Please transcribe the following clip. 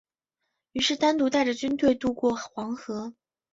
于是单独带着军队渡过黄河。